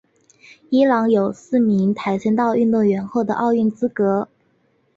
伊朗有四名跆拳道运动员获得奥运资格。